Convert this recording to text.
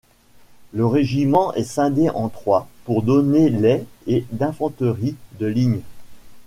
Le régiment est scindé en trois pour donner les et d'infanterie de ligne.